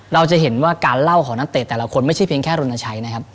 เราจะเห็นว่าการเล่าของนักเตะแต่ละคนไม่ใช่เพียงแค่รณชัยนะครับ